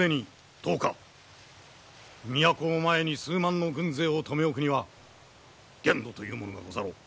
都を前に数万の軍勢を留め置くには限度というものがござろう！